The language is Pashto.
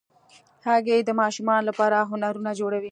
هګۍ د ماشومانو لپاره هنرونه جوړوي.